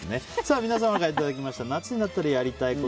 皆様からいただきました夏になったらやりたいこと。